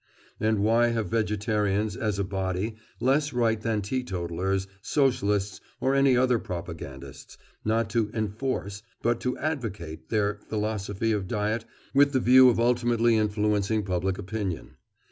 And why have vegetarians, as a body, less right than teetotalers, socialists, or any other propagandists, not to "enforce," but to advocate their philosophy of diet with the view of ultimately influencing public opinion?